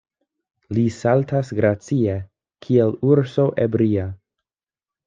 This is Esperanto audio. Li saltas gracie, kiel urso ebria.